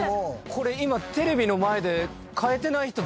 これ今テレビの前で。